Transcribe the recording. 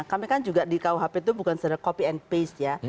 kami kan juga di kuhp itu bukan secara copy and base ya